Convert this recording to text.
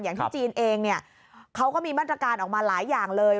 อย่างที่จีนเองเขาก็มีบรรดาการออกมาหลายอย่างเลย